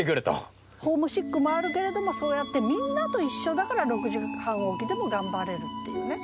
ホームシックもあるけれどもそうやってみんなと一緒だから６時半起きでも頑張れるっていうね。